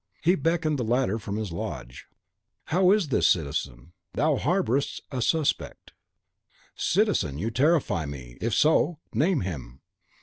He beckoned the latter from his lodge, "How is this, citizen? Thou harbourest a 'suspect.'" "Citizen, you terrify me! if so, name him."